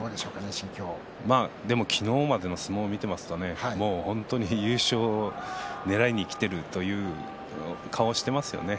昨日までの相撲を見ていますと本当に優勝をねらいにきているという顔をしてますよね。